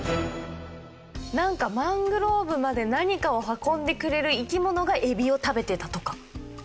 なんかマングローブまで何かを運んでくれる生き物がエビを食べてたとか？